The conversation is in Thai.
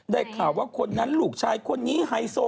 ข่าวว่าคนนั้นลูกชายคนนี้ไฮโซ